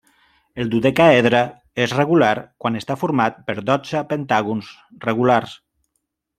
El dodecàedre és regular quan està format per dotze pentàgons regulars.